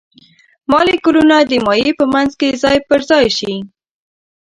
مالیکولونه د مایع په منځ کې ځای پر ځای شي.